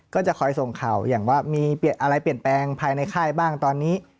ก็จะคอยส่งข่าวอย่างว่ามีอะไรเปลี่ยนแปลงภายในค่ายบ้างตอนนี้